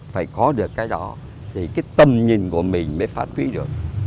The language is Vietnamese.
phải có được cái đó thì cái tầm nhìn của mình mới phát huy được